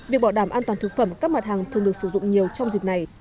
việc bảo đảm an toàn thực phẩm các mặt hàng thường được sử dụng nhiều trong dịp này